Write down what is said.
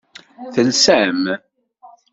Telsam?